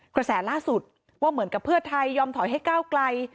กระแสล่าสุดว่าเหมือนกับเพื่อไทยยอมถอยให้ก้าวไกล